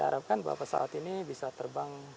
harapkan bahwa pesawat ini bisa terbang